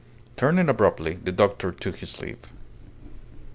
Turning abruptly, the doctor took his leave.